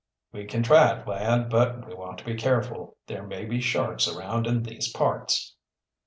"We can try it, lad. But we want to be careful. There may be sharks around in these parts."